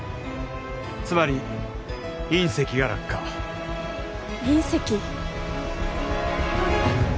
つまり隕石が落下隕石？